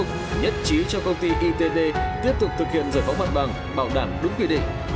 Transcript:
nhất trí cho công ty it tiếp tục thực hiện giải phóng mặt bằng bảo đảm đúng quy định